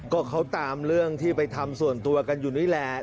ก็เขาตามเรื่องที่ไปทำส่วนตัวกันอยู่นี่แหละ